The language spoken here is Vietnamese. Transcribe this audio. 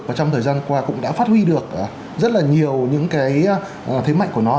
và trong thời gian qua cũng đã phát huy được rất là nhiều những cái thế mạnh của nó